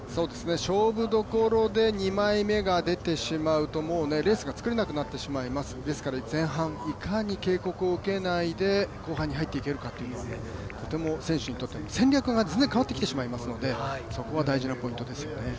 勝負どころで２枚目が出てしまうと、もうレースが作れなくなってしまいますですから前半、いかに警告を受けないで後半に入っていけるかというのがとても選手にとっては、戦略が全然変わってきてしまうのでそこは大事なポイントですよね。